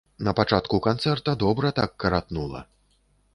Напачатку канцэрта добра так каратнула.